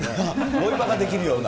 ボイパができるような。